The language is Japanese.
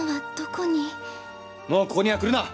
もう、ここには来るな！